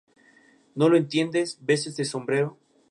¿ No lo entiendes? ¿ ves este sombrero?